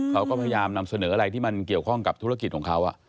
เขาก็พยายามนำเสนออะไรที่มันเกี่ยวข้องกับธุรกิจของเขา